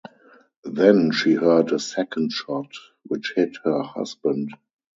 Then she heard a second shot, which hit her husband.